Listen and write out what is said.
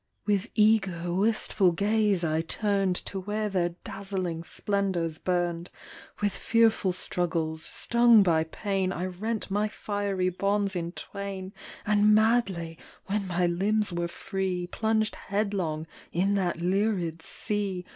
With eager, wistful gaze I turned To where their dazzling splendors burned ; With fearful struggles, stung by pain, I rent my fiery bonds in twain And madly (when my limbs were free) Plunged headlong in that lurid sea.